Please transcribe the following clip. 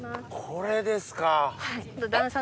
これですか！